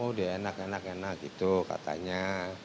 oh dia enak enak enak gitu katanya